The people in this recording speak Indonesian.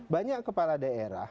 banyak kepala daerah